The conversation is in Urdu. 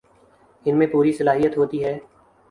ان میں پوری صلاحیت ہوتی ہے